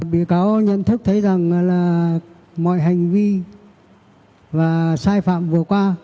bị cáo nhận thức thấy rằng là mọi hành vi và sai phạm vừa qua